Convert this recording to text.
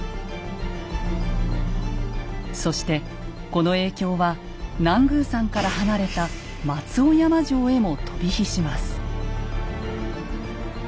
そしてこの影響は南宮山から離れた松尾山城へも飛び火します。